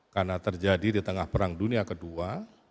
karena terjadi di tengah perang dunia kedua